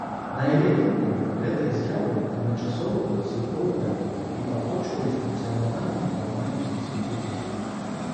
На яе думку, гэтыя з'явы адначасова падсілкоўвалі і падточваюць функцыянаванне фармальных інстытутаў.